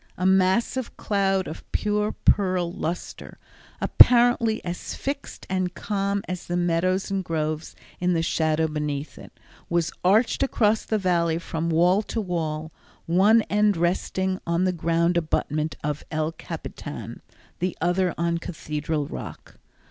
A massive cloud of pure pearl luster, apparently as fixed and calm as the meadows and groves in the shadow beneath it, was arched across the Valley from wall to wall, one end resting on the grand abutment of El Capitan, the other on Cathedral Rock.